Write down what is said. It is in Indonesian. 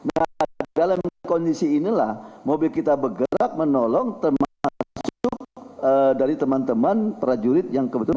nah dalam kondisi inilah mobil kita bergerak menolong termasuk dari teman teman prajurit yang kebetulan